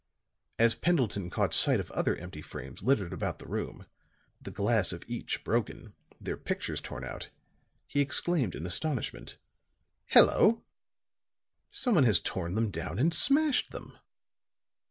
As Pendleton caught sight of other empty frames littered about the room, the glass of each broken, their pictures torn out, he exclaimed in astonishment: "Hello! Someone has torn them down and smashed them.